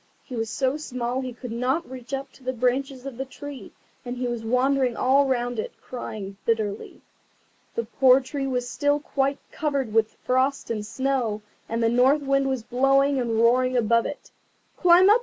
He was so small that he could not reach up to the branches of the tree, and he was wandering all round it, crying bitterly. The poor tree was still quite covered with frost and snow, and the North Wind was blowing and roaring above it. "Climb up!